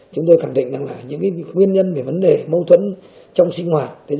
chúng tôi khẳng định rằng là những nguyên nhân về vấn đề mâu thuẫn trong sinh hoạt